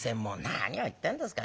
「何を言ってんですか。